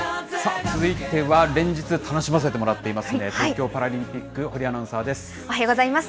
続いては、連日、楽しませてもらっていますね、東京パラリンおはようございます。